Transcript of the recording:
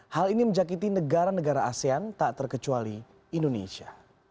hal ini menjakiti negara negara asean tak terkecuali indonesia